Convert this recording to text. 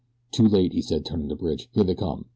"Too late," he said, turning to Bridge. "Here they come!"